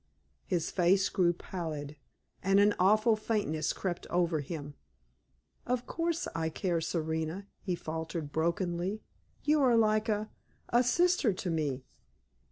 His face grew pallid, and an awful faintness crept over him. "Of course I care, Serena," he faltered, brokenly. "You are like a a sister to me."